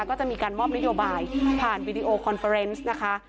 ก็จะมีการมอบนโยบายผ่านวีดีโอคอนเฟอร์เนสนะคะ